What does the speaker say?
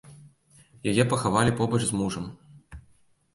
Яе пахавалі побач з мужам.